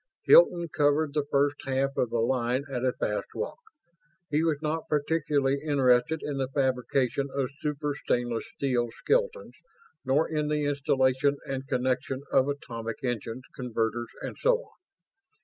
Hilton covered the first half of the line at a fast walk. He was not particularly interested in the fabrication of super stainless steel skeletons, nor in the installation and connection of atomic engines, converters and so on.